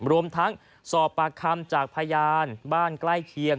รวมทั้งสอบปากคำจากพยานบ้านใกล้เคียง